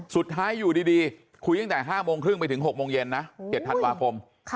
สุดท้ายอยู่ดีคุยตั้งแต่๕โมงครึ่งไปถึง๖โมงเย็นนะ๗ธันวาคม